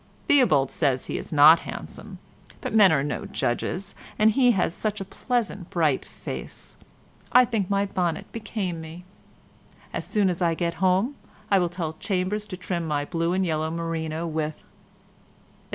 Theobald says he is not handsome, but men are no judges, and he has such a pleasant bright face. I think my bonnet became me. As soon as I get home I will tell Chambers to trim my blue and yellow merino with—" etc.